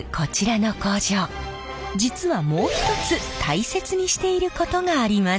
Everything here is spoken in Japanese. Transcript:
実はもう一つ大切にしていることがあります。